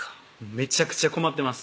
めちゃくちゃ困ってます